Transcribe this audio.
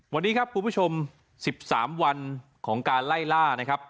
วันนี้ครับคุณผู้ชม๑๓วันของการไล่ล่านะครับ